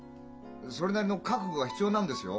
それなりの覚悟が必要なんですよ。